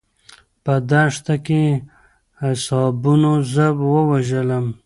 په دښته کې حسابونو زه ووژلم.